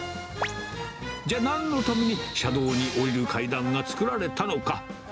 じゃあ、なんのために車道に下りる階段が作られたのか。